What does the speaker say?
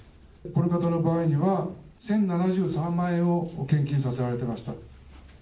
この方の場合には、１０７３万円を献金させられてました。